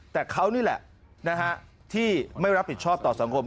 แต่เขานี่แหละที่ไม่รับผิดชอบต่อสังคม